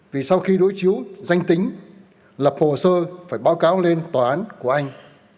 vì sau khi đối chiếu danh tính lập hồ sơ phải báo cáo lên tòa án của anh